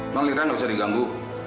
emang lira gak usah diganggu